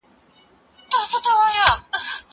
زه هره ورځ د کتابتوننۍ سره مرسته کوم؟